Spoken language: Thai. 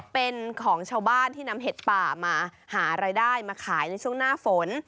เป็นของชาวบ้านที่นำเห็ดป่ามาหารายได้มาขายในช่วงหน้าฝน